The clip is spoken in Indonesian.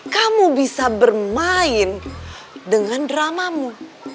kamu bisa bermain dengan dramamu